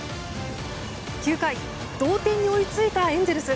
９回、同点に追いついたエンゼルス。